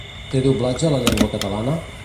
Té doblatge a la llengua catalana?